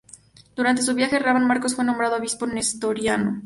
Durante su viaje, Rabban Markos fue nombrado obispo nestoriano.